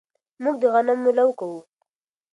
موږ د غنمو لو کوو